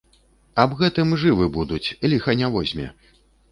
Аб гэтым жывы будуць, ліха не возьме.